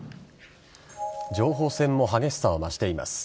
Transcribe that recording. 情報戦も激しさを増しています。